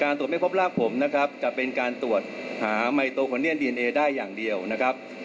ตรวจไม่พบรากผมนะครับจะเป็นการตรวจหาไมโตโคเนียนดีเอนเอได้อย่างเดียวนะครับ